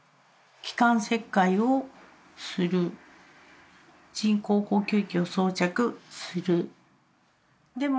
気管切開をする人工呼吸器を装着する。